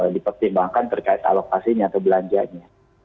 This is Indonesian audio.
dipertimbangkan terkait alokasinya atau belanjanya